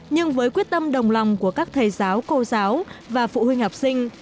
nhưng với quyết tâm đồng lòng của các thầy giáo cô giáo và phụ huynh học sinh